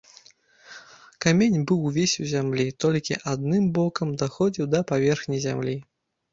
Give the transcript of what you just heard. Камень быў увесь у зямлі, толькі адным бокам даходзіў да паверхні зямлі.